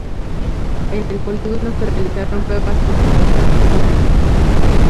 En el Polígono se realizaron pruebas con cohetes "Luna".